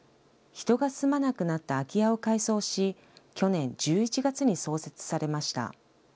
人が住まなくなった空き家を改装し、去年１１月に創設されました。